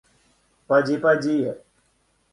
Поди, поди!